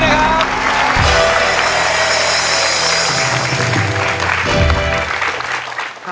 ไม่ใช่นะครับ